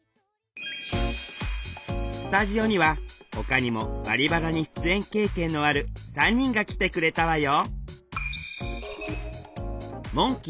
スタジオにはほかにも「バリバラ」に出演経験のある３人が来てくれたわよ